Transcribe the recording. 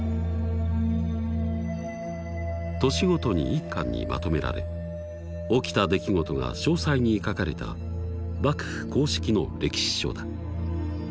年ごとに１巻にまとめられ起きた出来事が詳細に書かれた幕府公式の歴史書だ。